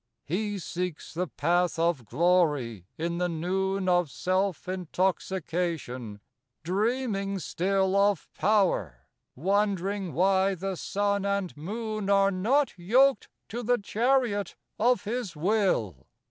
II He seeks the path of glory in the noon Of self intoxication, dreaming still Of power,—wondering why the sun and moon Are not yoked to the chariot of his will.